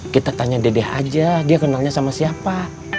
kita tanya dede aja dia kenalnya sama siapa